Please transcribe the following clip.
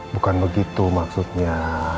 bukan begitu maksudnya